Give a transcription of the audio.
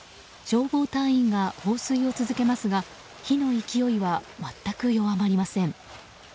消防隊員が放水を続けますが火の勢いは全く弱まりません。